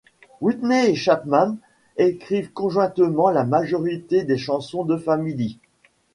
Whitney et Chapman écrivent conjointement la majorité des chansons de Family.